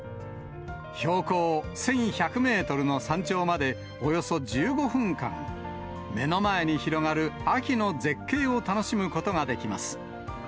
標高１１００メートルの山頂までおよそ１５分間、目の前に広がる秋の絶景を楽しむことができます。